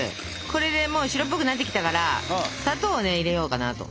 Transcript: これでもう白っぽくなってきたから砂糖をね入れようかなと。